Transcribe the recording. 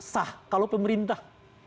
sah kalau pemerintah